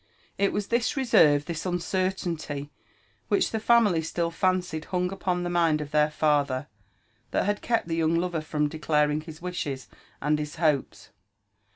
It was this reserve, this uncertainty which the family still fancied hung upon the mind of their father, that had kept the young lover from declaring his wishes and his hopes.